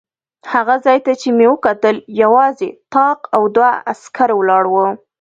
هغه ځای ته چې مې وکتل یوازې طاق او دوه عسکر ولاړ و.